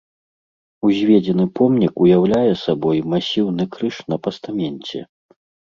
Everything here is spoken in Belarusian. Узведзены помнік уяўляў сабой масіўны крыж на пастаменце.